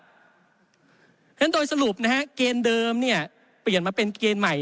เพราะฉะนั้นโดยสรุปนะฮะเกณฑ์เดิมเนี่ยเปลี่ยนมาเป็นเกณฑ์ใหม่